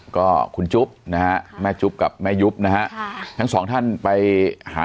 ก็คุณจุ๊บนะฮะแม่จุ๊บกับแม่ยุบนะฮะค่ะทั้งสองท่านไปหา